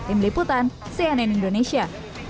im liputan cnn indonesia